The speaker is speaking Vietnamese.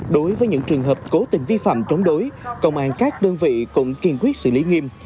đối với những trường hợp cố tình vi phạm chống đối công an các đơn vị cũng kiên quyết xử lý nghiêm